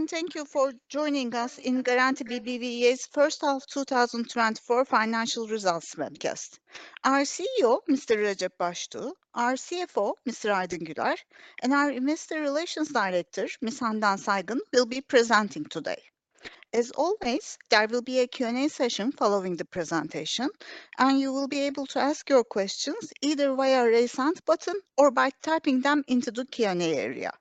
Hello, and thank you for joining us in Garanti BBVA's First of 2024 Financial Results Webcast. Our CEO, Mr. Recep Baştuğ, our CFO, Mr. Aydın Güler, and our Investor Relations Director, Ms. Handan Saygın, will be presenting today. As always, there will be a Q&A session following the presentation, and you will be able to ask your questions either via a raise hand button or by typing them into the Q&A area.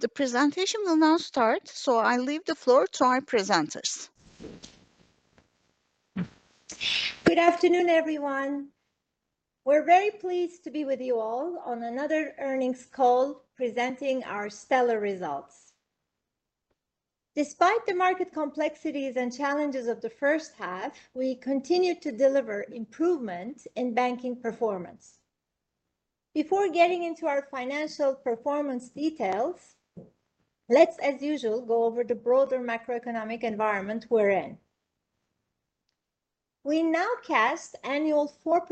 The presentation will now start, so I'll leave the floor to our presenters. Good afternoon, everyone. We're very pleased to be with you all on another earnings call presenting our stellar results. Despite the market complexities and challenges of the first half, we continue to deliver improvement in banking performance. Before getting into our financial performance details, let's, as usual, go over the broader macroeconomic environment we're in. We now forecast annual 4%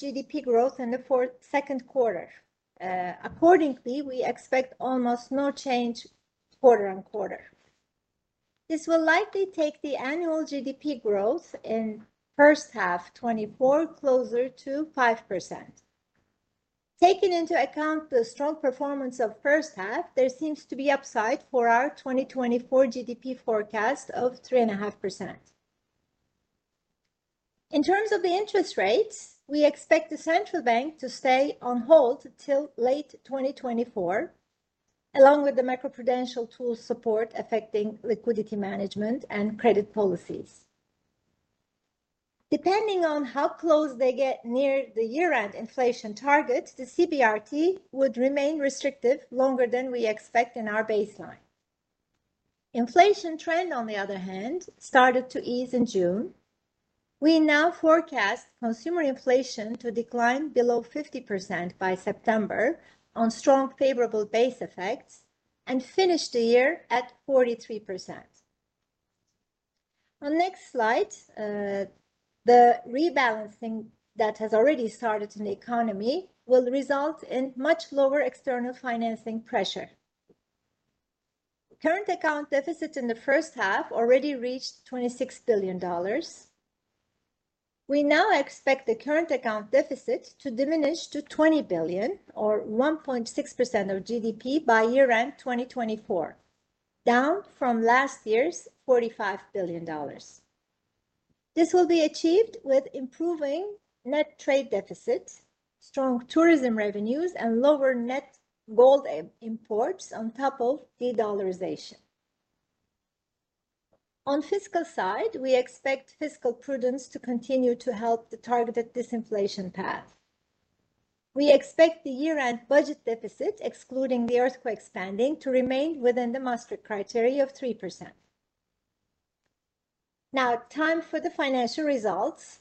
GDP growth in the second quarter. Accordingly, we expect almost no change quarter-on-quarter. This will likely take the annual GDP growth in first half 2024 closer to 5%. Taking into account the strong performance of first half, there seems to be upside for our 2024 GDP forecast of 3.5%. In terms of the interest rates, we expect the central bank to stay on hold till late 2024, along with the macroprudential tools support affecting liquidity management and credit policies. Depending on how close they get near the year-end inflation target, the CBRT would remain restrictive longer than we expect in our baseline. Inflation trend, on the other hand, started to ease in June. We now forecast consumer inflation to decline below 50% by September on strong favorable base effects and finish the year at 43%. On the next slide, the rebalancing that has already started in the economy will result in much lower external financing pressure. Current account deficit in the first half already reached $26 billion. We now expect the current account deficit to diminish to $20 billion, or 1.6% of GDP by year-end 2024, down from last year's $45 billion. This will be achieved with improving net trade deficit, strong tourism revenues, and lower net gold imports on top of de-dollarization. On the fiscal side, we expect fiscal prudence to continue to help the targeted disinflation path. We expect the year-end budget deficit, excluding the earthquake spending, to remain within the Maastricht criteria of 3%. Now, time for the financial results.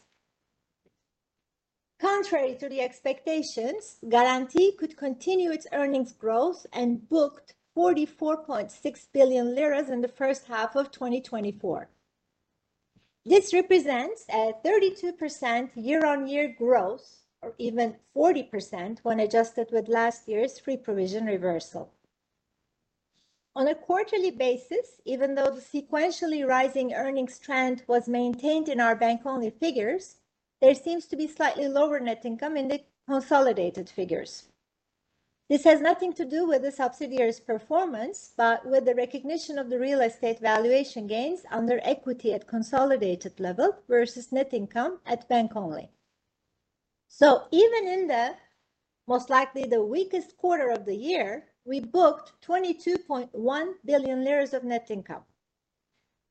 Contrary to the expectations, Garanti could continue its earnings growth and booked 44.6 billion lira in the first half of 2024. This represents a 32% year-on-year growth, or even 40% when adjusted with last year's free provision reversal. On a quarterly basis, even though the sequentially rising earnings trend was maintained in our bank-only figures, there seems to be slightly lower net income in the consolidated figures. This has nothing to do with the subsidiary's performance, but with the recognition of the real estate valuation gains under equity at consolidated level versus net income at bank-only. So, even in the most likely the weakest quarter of the year, we booked 22.1 billion lira of net income.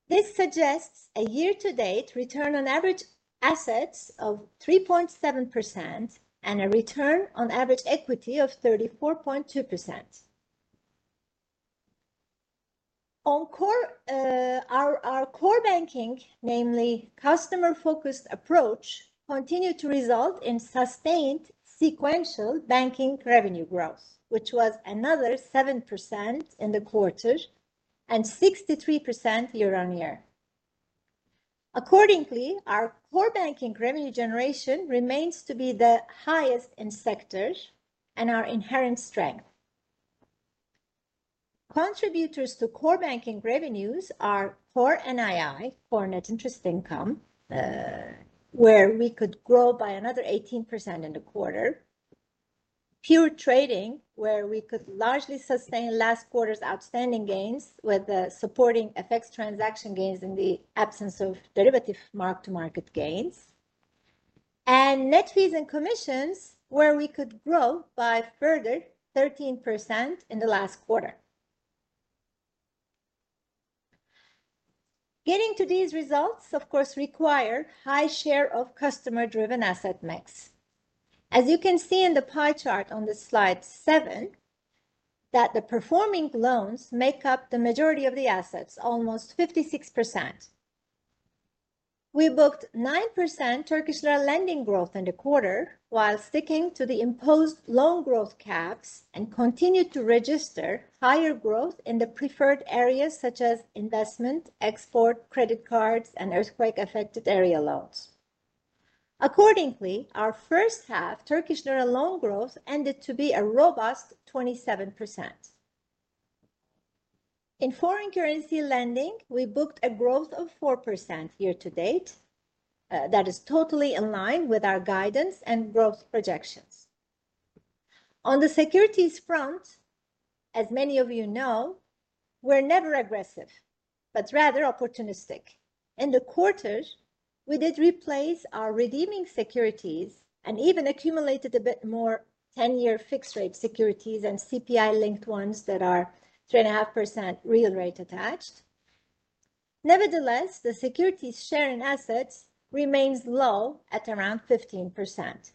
This suggests a year-to-date return on average assets of 3.7% and a return on average equity of 34.2%. Our core banking, namely customer-focused approach, continued to result in sustained sequential banking revenue growth, which was another 7% in the quarter and 63% year-on-year. Accordingly, our core banking revenue generation remains to be the highest in sectors and our inherent strength. Contributors to core banking revenues are core NII, core net interest income, where we could grow by another 18% in the quarter; pure trading, where we could largely sustain last quarter's outstanding gains with supporting FX transaction gains in the absence of derivative mark-to-market gains; and net fees and commissions, where we could grow by further 13% in the last quarter. Getting to these results, of course, required a high share of customer-driven asset mix. As you can see in the pie chart on slide 7, the performing loans make up the majority of the assets, almost 56%. We booked 9% Turkish lira lending growth in the quarter while sticking to the imposed loan growth caps and continued to register higher growth in the preferred areas such as investment, export, credit cards, and earthquake-affected area loans. Accordingly, our first half Turkish lira loan growth ended to be a robust 27%. In foreign currency lending, we booked a growth of 4% year-to-date that is totally in line with our guidance and growth projections. On the securities front, as many of you know, we're never aggressive, but rather opportunistic. In the quarter, we did replace our redeeming securities and even accumulated a bit more 10-year fixed-rate securities and CPI-linked ones that are 3.5% real rate attached. Nevertheless, the securities share in assets remains low at around 15%.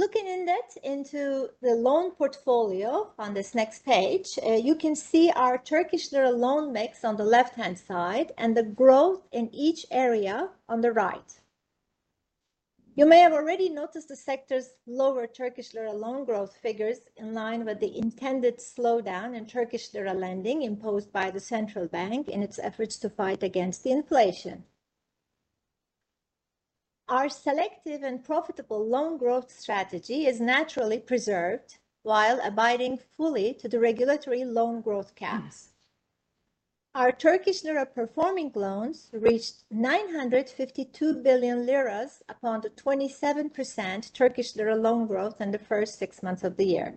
Looking in depth into the loan portfolio on this next page, you can see our Turkish lira loan mix on the left-hand side and the growth in each area on the right. You may have already noticed the sector's lower Turkish lira loan growth figures in line with the intended slowdown in Turkish lira lending imposed by the central bank in its efforts to fight against inflation. Our selective and profitable loan growth strategy is naturally preserved while abiding fully to the regulatory loan growth caps. Our Turkish lira performing loans reached 952 billion lira upon the 27% Turkish lira loan growth in the first six months of the year.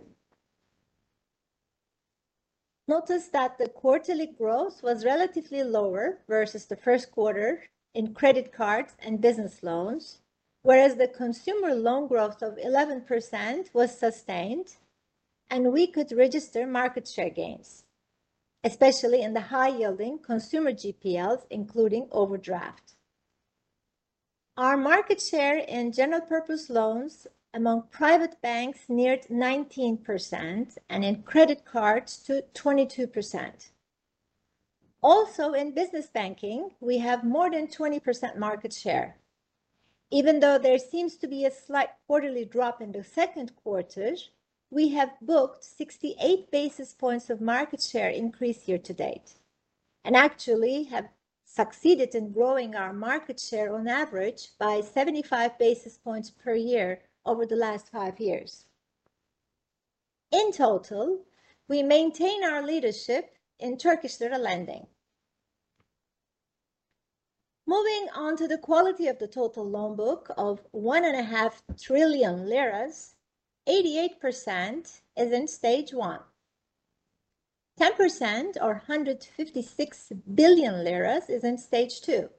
Notice that the quarterly growth was relatively lower versus the first quarter in credit cards and business loans, whereas the consumer loan growth of 11% was sustained, and we could register market share gains, especially in the high-yielding consumer GPLs, including overdraft. Our market share in general-purpose loans among private banks neared 19%, and in credit cards to 22%. Also, in business banking, we have more than 20% market share. Even though there seems to be a slight quarterly drop in the second quarter, we have booked 68 basis points of market share increase year-to-date and actually have succeeded in growing our market share on average by 75 basis points per year over the last five years. In total, we maintain our leadership in Turkish lira lending. Moving on to the quality of the total loan book of 1.5 trillion lira, 88% is in stage one. 10%, or 156 billion lira, is in Stage 2.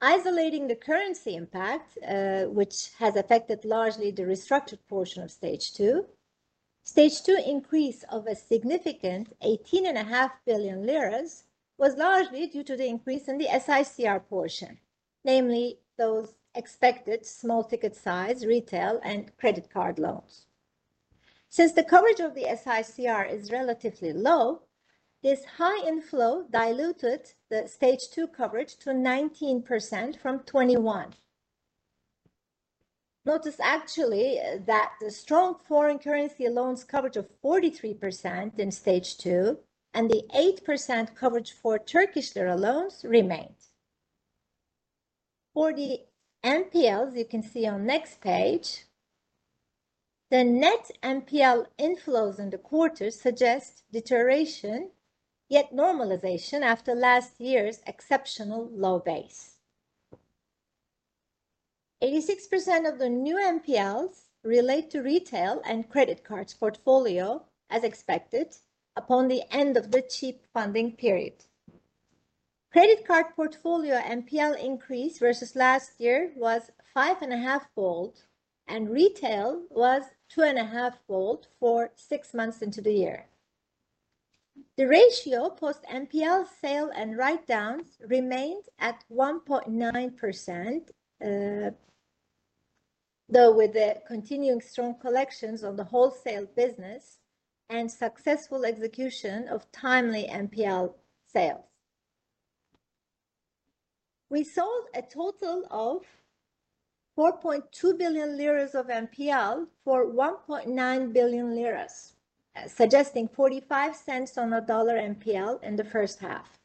Isolating the currency impact, which has affected largely the restructured portion of Stage 2, Stage 2 increase of a significant 18.5 billion lira was largely due to the increase in the SICR portion, namely those expected small-ticket size retail and credit card loans. Since the coverage of the SICR is relatively low, this high inflow diluted the Stage 2 coverage to 19% from 21%. Notice actually that the strong foreign currency loans coverage of 43% in Stage 2 and the 8% coverage for Turkish lira loans remained. For the NPLs, you can see on the next page, the net NPL inflows in the quarter suggest deterioration yet normalization after last year's exceptional low base. 86% of the new NPLs relate to retail and credit cards portfolio, as expected, upon the end of the cheap funding period. Credit card portfolio NPL increase versus last year was 5.5-fold, and retail was 2.5-fold for six months into the year. The ratio post-NPL sale and write-downs remained at 1.9%, though with the continuing strong collections on the wholesale business and successful execution of timely NPL sales. We sold a total of 4.2 billion lira of NPL for 1.9 billion lira, suggesting $0.45 on the dollar NPL in the first half.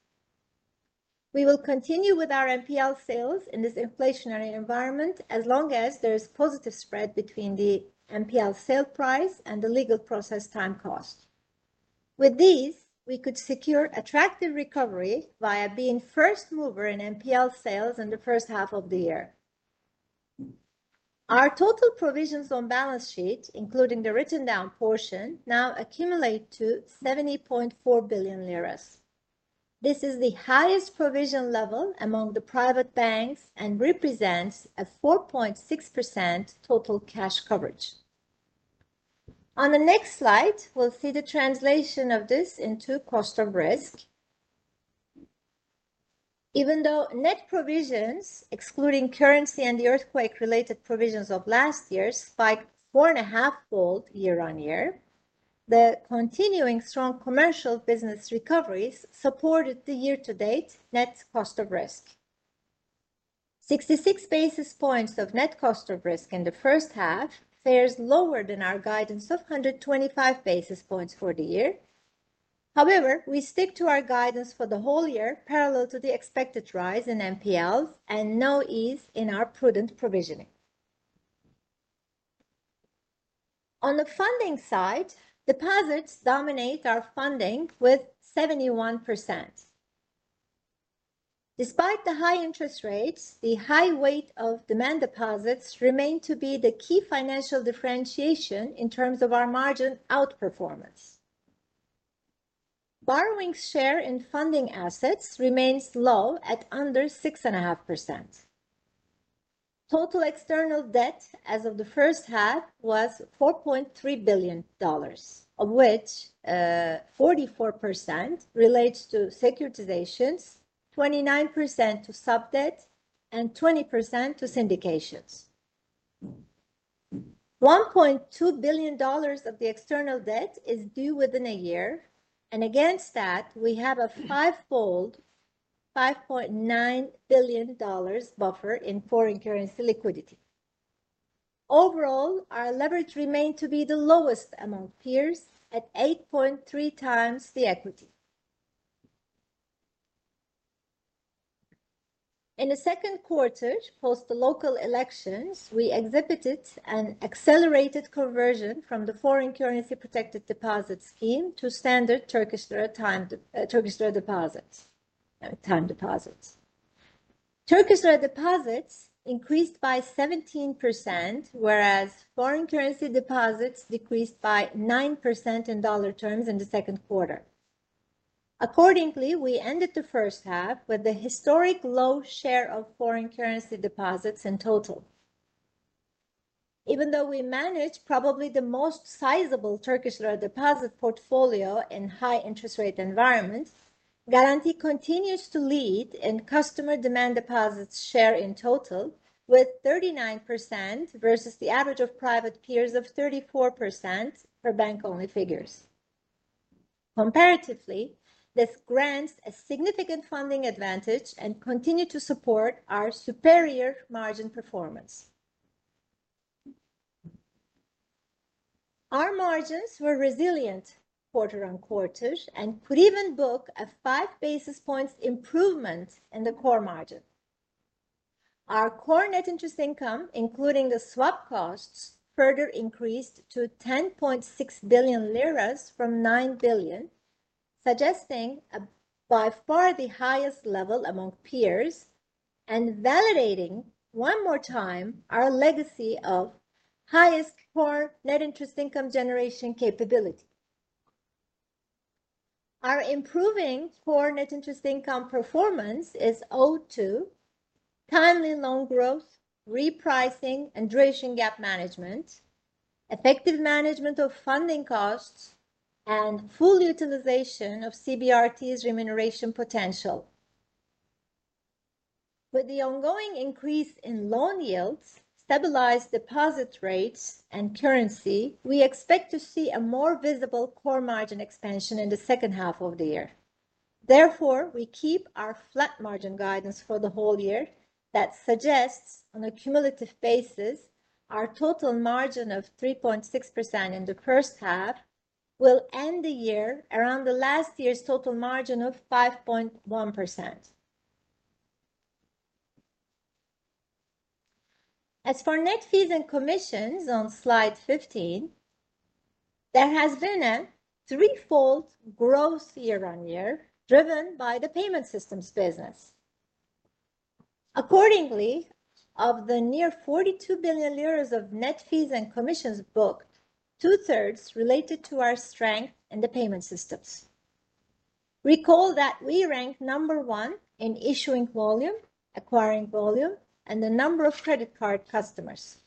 We will continue with our NPL sales in this inflationary environment as long as there is positive spread between the NPL sale price and the legal process time cost. With these, we could secure attractive recovery via being first mover in NPL sales in the first half of the year. Our total provisions on balance sheet, including the written-down portion, now accumulate to 70.4 billion lira. This is the highest provision level among the private banks and represents a 4.6% total cash coverage. On the next slide, we'll see the translation of this into cost of risk. Even though net provisions, excluding currency and the earthquake-related provisions of last year, spiked 4.5-fold year-on-year, the continuing strong commercial business recoveries supported the year-to-date net cost of risk. 66 basis points of net cost of risk in the first half fares lower than our guidance of 125 basis points for the year. However, we stick to our guidance for the whole year, parallel to the expected rise in NPLs and no ease in our prudent provisioning. On the funding side, deposits dominate our funding with 71%. Despite the high interest rates, the high weight of demand deposits remains to be the key financial differentiation in terms of our margin outperformance. Borrowing share in funding assets remains low at under 6.5%. Total external debt as of the first half was $4.3 billion, of which 44% relates to securitizations, 29% to sub-debt, and 20% to syndications. $1.2 billion of the external debt is due within a year, and against that, we have a five-fold $5.9 billion buffer in foreign currency liquidity. Overall, our leverage remained to be the lowest among peers at 8.3x the equity. In the second quarter, post the local elections, we exhibited an accelerated conversion from the foreign currency protected deposit scheme to standard Turkish lira deposits. Turkish lira deposits increased by 17%, whereas foreign currency deposits decreased by 9% in dollar terms in the second quarter. Accordingly, we ended the first half with the historic low share of foreign currency deposits in total. Even though we manage probably the most sizable Turkish lira deposit portfolio in high-interest rate environments, Garanti continues to lead in customer demand deposits share in total with 39% versus the average of private peers of 34% for bank-only figures. Comparatively, this grants a significant funding advantage and continues to support our superior margin performance. Our margins were resilient quarter-on-quarter and could even book a five basis points improvement in the core margin. Our core net interest income, including the swap costs, further increased to 10.6 billion lira from 9 billion, suggesting by far the highest level among peers and validating one more time our legacy of highest core net interest income generation capability. Our improving core net interest income performance is owed to timely loan growth, repricing, and duration gap management, effective management of funding costs, and full utilization of CBRT's remuneration potential. With the ongoing increase in loan yields, stabilized deposit rates, and currency, we expect to see a more visible core margin expansion in the second half of the year. Therefore, we keep our flat margin guidance for the whole year that suggests on a cumulative basis, our total margin of 3.6% in the first half will end the year around the last year's total margin of 5.1%. As for net fees and commissions on slide 15, there has been a threefold growth year-on-year driven by the payment systems business. Accordingly, of the near TRY 42 billion of net fees and commissions booked, two-thirds related to our strength in the payment systems. Recall that we rank number one in issuing volume, acquiring volume, and the number of credit card customers.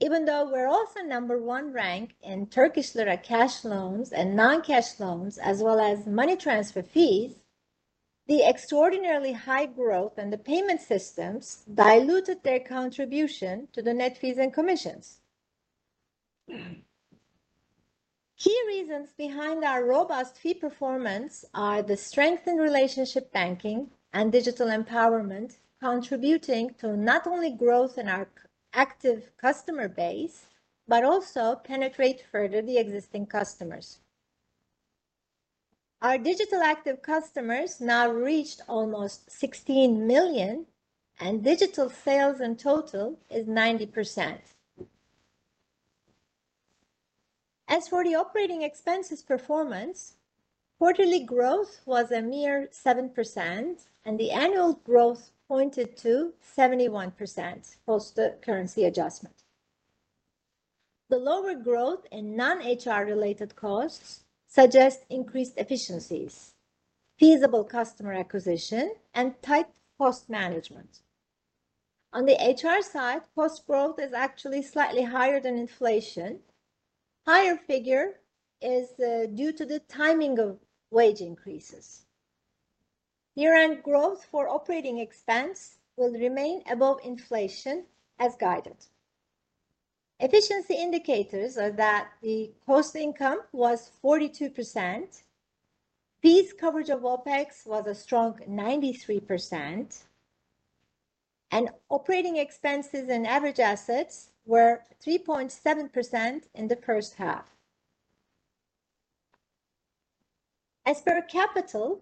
Even though we're also number one ranked in Turkish lira cash loans and non-cash loans, as well as money transfer fees, the extraordinarily high growth in the payment systems diluted their contribution to the net fees and commissions. Key reasons behind our robust fee performance are the strength in relationship banking and digital empowerment contributing to not only growth in our active customer base, but also penetrate further the existing customers. Our digital active customers now reached almost 16 million, and digital sales in total is 90%. As for the operating expenses performance, quarterly growth was a mere 7%, and the annual growth pointed to 71% post-currency adjustment. The lower growth in non-HR-related costs suggests increased efficiencies, feasible customer acquisition, and tight cost management. On the HR side, cost growth is actually slightly higher than inflation. Higher figure is due to the timing of wage increases. Year-end growth for operating expense will remain above inflation as guided. Efficiency indicators are that the cost income was 42%, fees coverage of OPEX was a strong 93%, and operating expenses and average assets were 3.7% in the first half. As per capital,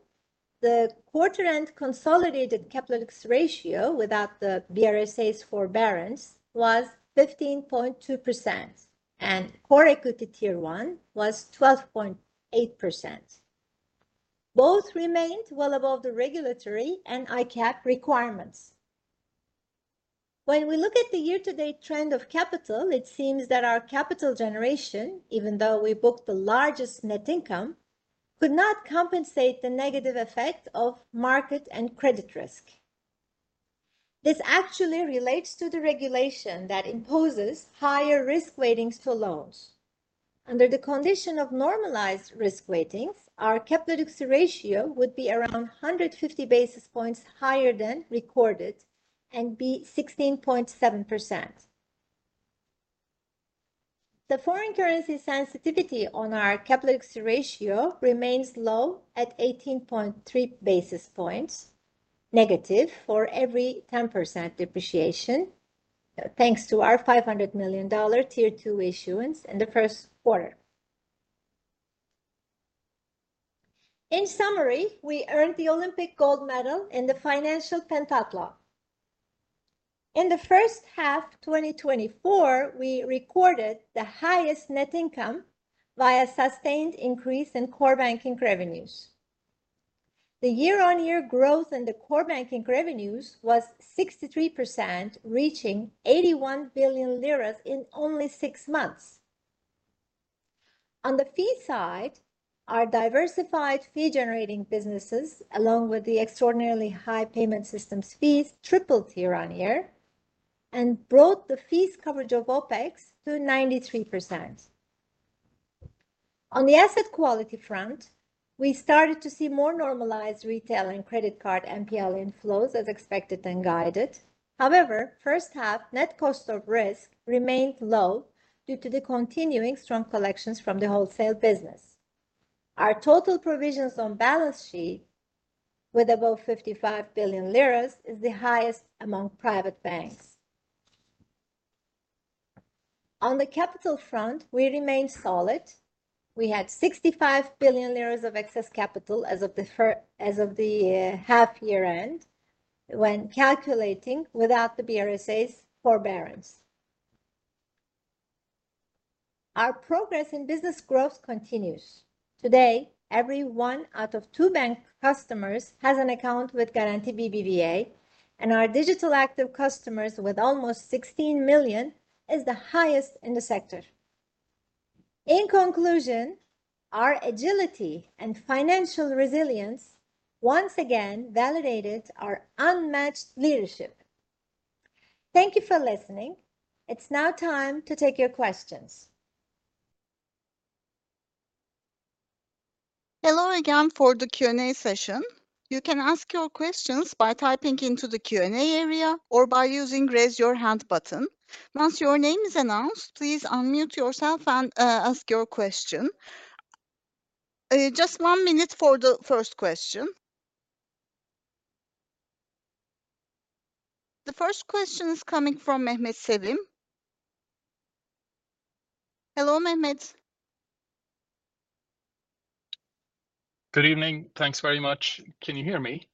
the quarter-end consolidated Capital Adequacy Ratio without the BRSA's forbearance was 15.2%, and Core Equity Tier 1 was 12.8%. Both remained well above the regulatory and ICAAP requirements. When we look at the year-to-date trend of capital, it seems that our capital generation, even though we booked the largest net income, could not compensate the negative effect of market and credit risk. This actually relates to the regulation that imposes higher risk ratings for loans. Under the condition of normalized risk ratings, our Capital Adequacy Ratio would be around 150 basis points higher than recorded and be 16.7%. The foreign currency sensitivity on our capital adequacy ratio remains low at 18.3 basis points negative for every 10% depreciation, thanks to our $500 million Tier 2 issuance in the first quarter. In summary, we earned the Olympic gold medal in the financial pentathlon. In the first half 2024, we recorded the highest net income via sustained increase in core banking revenues. The year-on-year growth in the core banking revenues was 63%, reaching 81 billion lira in only six months. On the fee side, our diversified fee-generating businesses, along with the extraordinarily high payment systems fees, tripled year-on-year and brought the fees coverage of OPEX to 93%. On the asset quality front, we started to see more normalized retail and credit card NPL inflows as expected and guided. However, first half net cost of risk remained low due to the continuing strong collections from the wholesale business. Our total provisions on balance sheet with above 55 billion lira is the highest among private banks. On the capital front, we remained solid. We had TRY 65 billion of excess capital as of the half-year end when calculating without the BRSA's forbearance. Our progress in business growth continues. Today, every one out of two bank customers has an account with Garanti BBVA, and our digital active customers with almost 16 million is the highest in the sector. In conclusion, our agility and financial resilience once again validated our unmatched leadership. Thank you for listening. It's now time to take your questions. Hello again for the Q&A session. You can ask your questions by typing into the Q&A area or by using the raise your hand button. Once your name is announced, please unmute yourself and ask your question. Just one minute for the first question. The first question is coming from Mehmet Sevim. Hello, Mehmet. Good evening. Thanks very much. Can you hear me?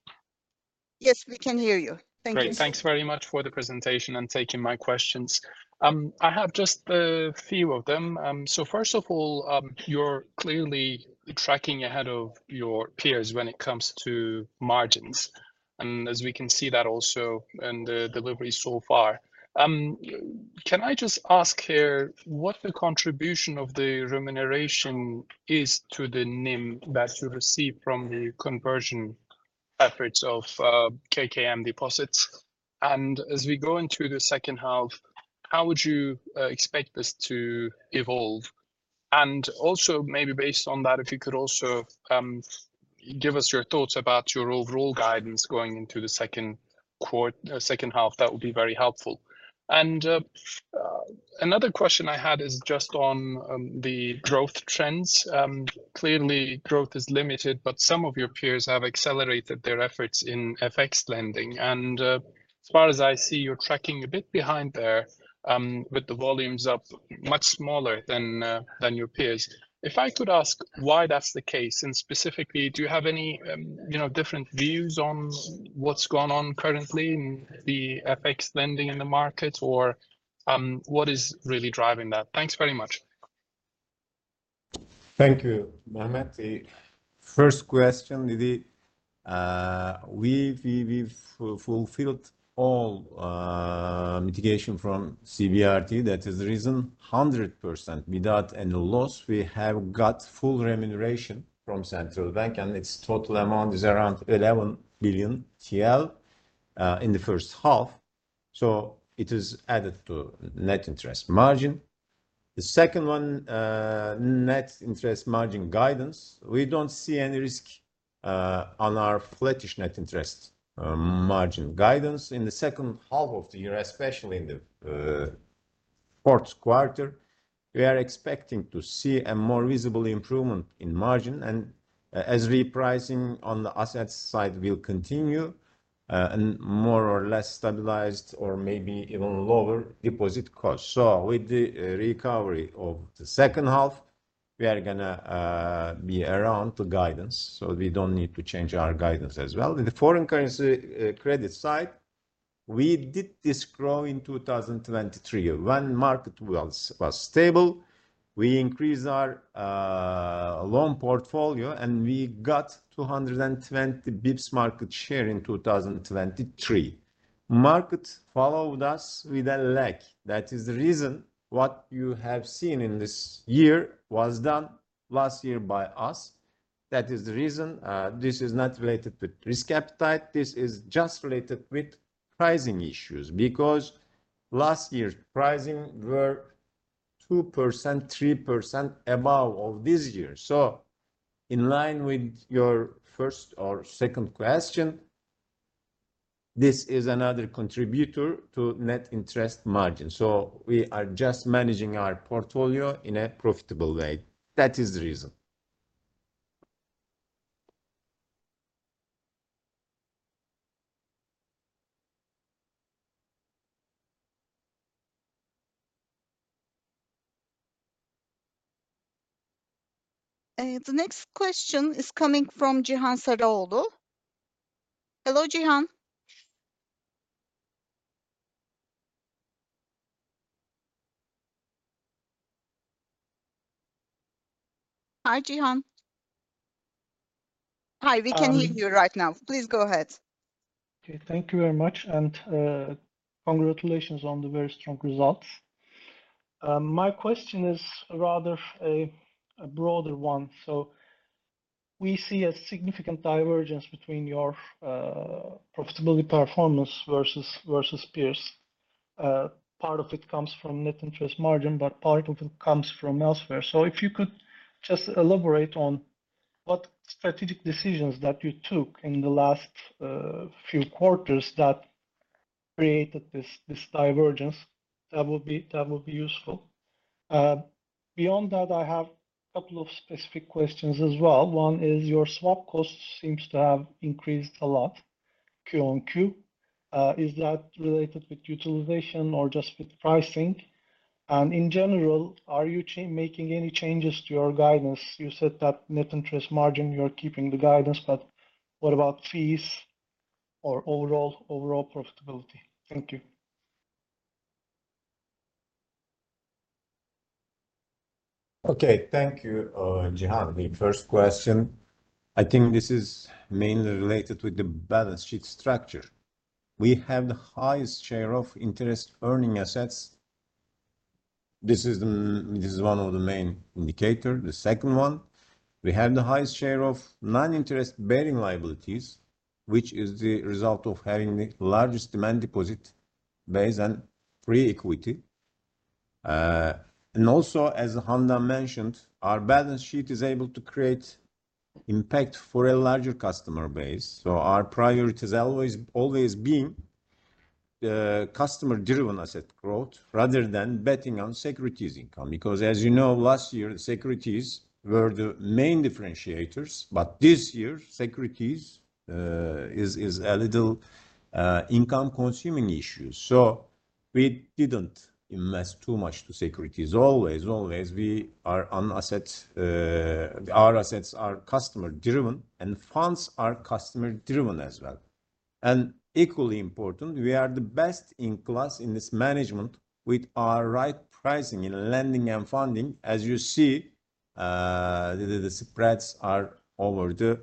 Yes, we can hear you. Thank you. Great. Thanks very much for the presentation and taking my questions. I have just a few of them. So first of all, you're clearly tracking ahead of your peers when it comes to margins. And as we can see that also in the delivery so far. Can I just ask here what the contribution of the remuneration is to the NIM that you receive from the conversion efforts of KKM deposits? And as we go into the second half, how would you expect this to evolve? And also maybe based on that, if you could also give us your thoughts about your overall guidance going into the second quarter, second half, that would be very helpful. And another question I had is just on the growth trends. Clearly, growth is limited, but some of your peers have accelerated their efforts in FX lending. And as far as I see, you're tracking a bit behind there with the volumes up much smaller than your peers. If I could ask why that's the case, and specifically, do you have any different views on what's going on currently in the FX lending in the market, or what is really driving that? Thanks very much. Thank you, Mehmet. The first question, we've fulfilled all mitigation from CBRT. That is the reason 100% without any loss. We have got full remuneration from Central Bank, and its total amount is around 11 billion TL in the first half. So it is added to net interest margin. The second one, net interest margin guidance, we don't see any risk on our flatish net interest margin guidance. In the second half of the year, especially in the fourth quarter, we are expecting to see a more visible improvement in margin, and as repricing on the asset side will continue and more or less stabilized or maybe even lower deposit costs. So with the recovery of the second half, we are going to be around the guidance. So we don't need to change our guidance as well. In the foreign currency credit side, we did this grow in 2023. When market was stable, we increased our loan portfolio, and we got 220 bps market share in 2023. Market followed us with a lag. That is the reason what you have seen in this year was done last year by us. That is the reason this is not related with risk appetite. This is just related with pricing issues because last year's pricing were 2%, 3% above of this year. So in line with your first or second question, this is another contributor to net interest margin. So we are just managing our portfolio in a profitable way. That is the reason. The next question is coming from Cihan Saraoğlu. Hello, Cihan. Hi, Cihan. Hi, we can hear you right now. Please go ahead. Okay, thank you very much. And congratulations on the very strong results. My question is rather a broader one. So we see a significant divergence between your profitability performance versus peers. Part of it comes from net interest margin, but part of it comes from elsewhere. So if you could just elaborate on what strategic decisions that you took in the last few quarters that created this divergence, that would be useful. Beyond that, I have a couple of specific questions as well. One is your swap cost seems to have increased a lot Q-O-Q. Is that related with utilization or just with pricing? And in general, are you making any changes to your guidance? You said that net interest margin, you're keeping the guidance, but what about fees or overall profitability? Thank you. Okay, thank you, Cihan. The first question, I think this is mainly related with the balance sheet structure. We have the highest share of interest earning assets. This is one of the main indicators. The second one, we have the highest share of non-interest bearing liabilities, which is the result of having the largest demand deposit based on free equity. And also, as Handan mentioned, our balance sheet is able to create impact for a larger customer base. So our priority is always being customer-driven asset growth rather than betting on securities income. Because, as you know, last year, securities were the main differentiators, but this year, securities is a little income-consuming issue. So we didn't invest too much to securities. Always, always, we are on assets. Our assets are customer-driven, and funds are customer-driven as well. And equally important, we are the best in class in this management with our right pricing in lending and funding. As you see, the spreads are over the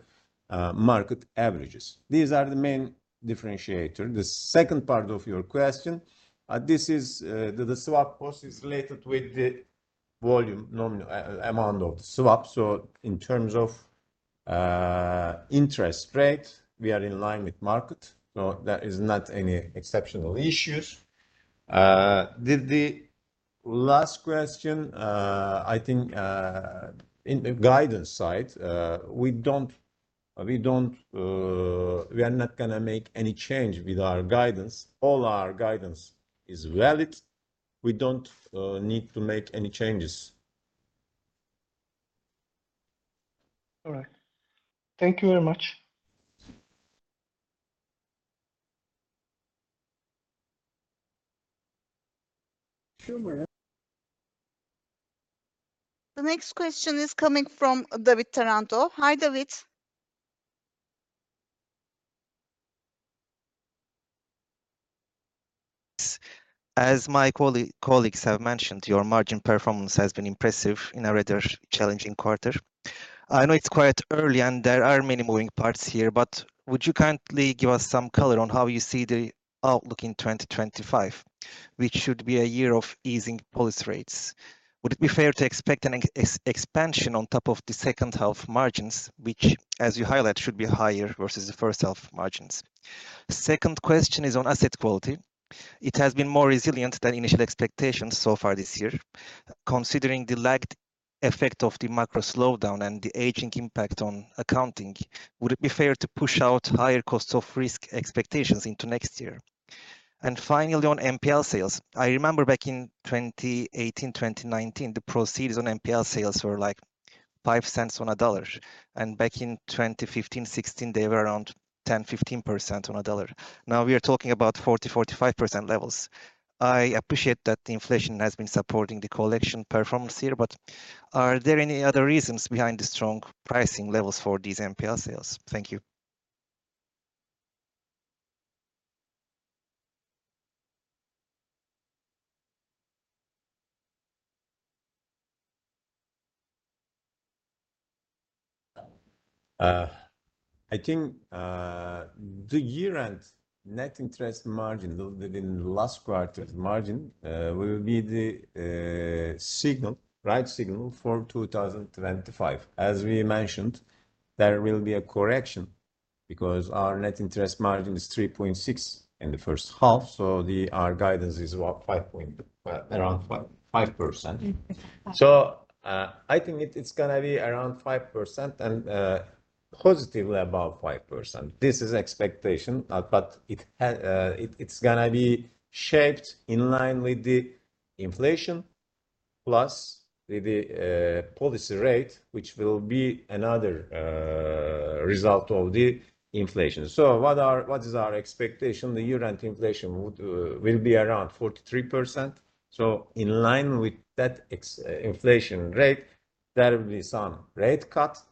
market averages. These are the main differentiators. The second part of your question, this is the swap cost, is related with the volume amount of the swap. So in terms of interest rate, we are in line with market. So there is not any exceptional issues. The last question, I think in the guidance side, we are not going to make any change with our guidance. All our guidance is valid. We don't need to make any changes. All right. Thank you very much. The next question is coming from David Taranto. Hi, David. As my colleagues have mentioned, your margin performance has been impressive in a rather challenging quarter. I know it's quite early, and there are many moving parts here, but would you kindly give us some color on how you see the outlook in 2025, which should be a year of easing policy rates? Would it be fair to expect an expansion on top of the second half margins, which, as you highlight, should be higher versus the first half margins? Second question is on asset quality. It has been more resilient than initial expectations so far this year. Considering the lagged effect of the macro slowdown and the aging impact on accounting, would it be fair to push out higher cost of risk expectations into next year? And finally, on NPL sales, I remember back in 2018, 2019, the proceeds on NPL sales were like 0.05 on a dollar. And back in 2015, 2016, they were around 10%-15% on a dollar. Now we are talking about 40%-45% levels. I appreciate that the inflation has been supporting the collection performance here, but are there any other reasons behind the strong pricing levels for these NPL sales? Thank you. I think the year-end net interest margin within the last quarter margin will be the right signal for 2025. As we mentioned, there will be a correction because our net interest margin is 3.6 in the first half. Our guidance is around 5%. I think it's going to be around 5% and positively above 5%. This is expectation, but it's going to be shaped in line with the inflation plus with the policy rate, which will be another result of the inflation. What is our expectation? The year-end inflation will be around 43%. In line with that inflation rate, there will be some rate cuts.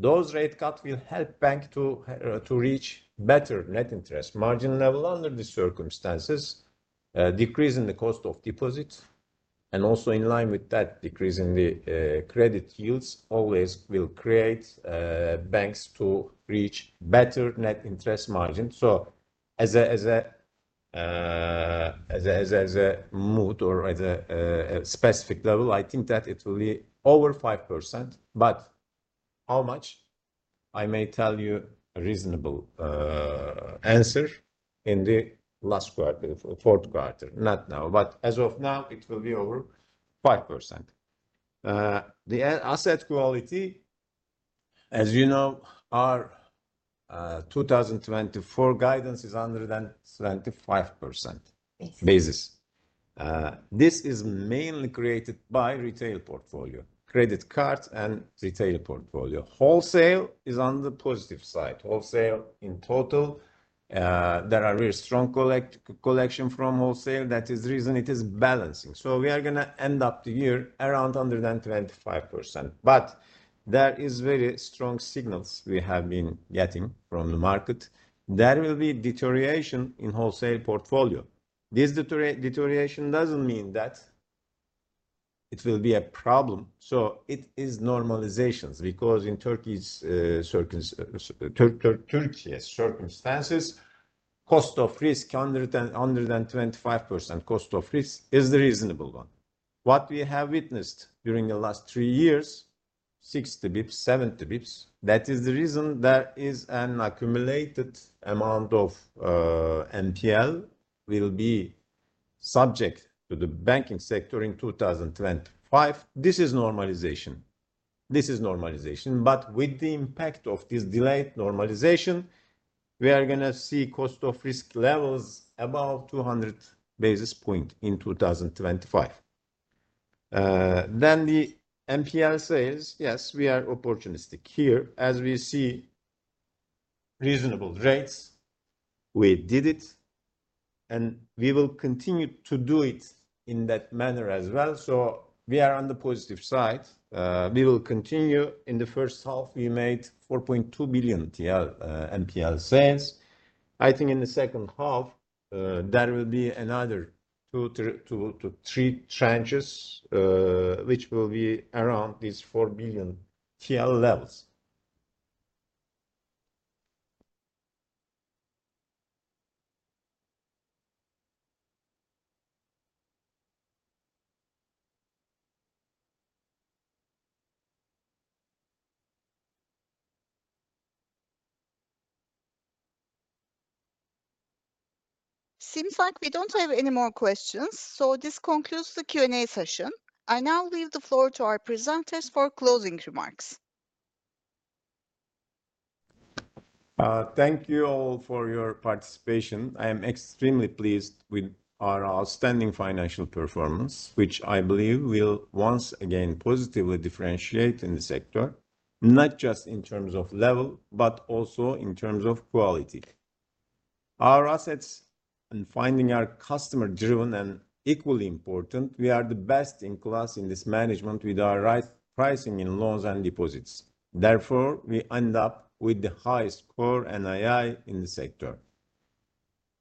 Those rate cuts will help banks to reach better net interest margin level under the circumstances, decreasing the cost of deposits. And also in line with that, decreasing the credit yields always will create banks to reach better net interest margin. So as a mood or as a specific level, I think that it will be over 5%, but how much? I may tell you a reasonable answer in the last quarter, fourth quarter, not now, but as of now, it will be over 5%. The asset quality, as you know, our 2024 guidance is 125 basis points. This is mainly created by retail portfolio, credit cards, and retail portfolio. Wholesale is on the positive side. Wholesale in total, there are very strong collections from wholesale. That is the reason it is balancing. So we are going to end up the year around under than 25 basis points. But there are very strong signals we have been getting from the market. There will be deterioration in wholesale portfolio. This deterioration doesn't mean that it will be a problem. It is normalization because in Turkey's circumstances, cost of risk 125% cost of risk is the reasonable one. What we have witnessed during the last three years, 6-7 basis points, that is the reason there is an accumulated amount of NPL that will be subject to the banking sector in 2025. This is normalization. This is normalization, but with the impact of this delayed normalization, we are going to see cost of risk levels above 200 basis points in 2025. Then the NPL side, yes, we are opportunistic here. As we see reasonable rates, we did it, and we will continue to do it in that manner as well. So we are on the positive side. We will continue in the first half. We made 4.2 billion TL NPL sales. I think in the second half, there will be another 2-3 tranches, which will be around these 4 billion TL levels. Seems like we don't have any more questions. So this concludes the Q&A session. I now leave the floor to our presenters for closing remarks. Thank you all for your participation. I am extremely pleased with our outstanding financial performance, which I believe will once again positively differentiate in the sector, not just in terms of level, but also in terms of quality. Our assets and funding our customer-driven and equally important, we are the best in class in this management with our right pricing in loans and deposits. Therefore, we end up with the highest core NII in the sector.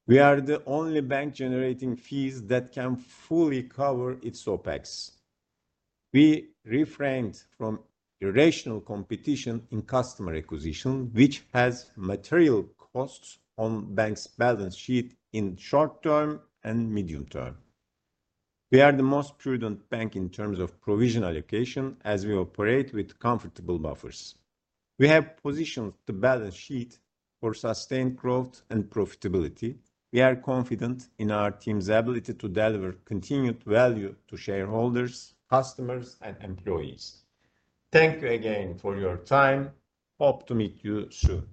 We are the only bank generating fees that can fully cover its OPEX. We refrained from irrational competition in customer acquisition, which has material costs on banks' balance sheet in short term and medium term. We are the most prudent bank in terms of provision allocation as we operate with comfortable buffers. We have positioned the balance sheet for sustained growth and profitability. We are confident in our team's ability to deliver continued value to shareholders, customers, and employees. Thank you again for your time. Hope to meet you soon.